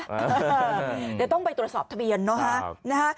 เดี๋ยวต้องไปตรวจสอบทะเบียนนะฮะ